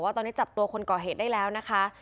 ตอนนี้จับตัวคนก่อเหตุได้แล้วนะคะ